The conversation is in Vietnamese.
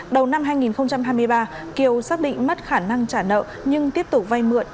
đầu năm hai nghìn hai mươi ba kiều xác định mất khả năng trả nợ nhưng tiếp tục vay mượn